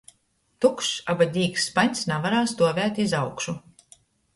Tukšs aba dīks spaņs navarēja stuovēt iz aušku.